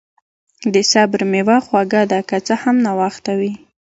د صبر میوه خوږه ده، که څه هم ناوخته وي.